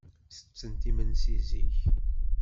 Ttettent imensi zik.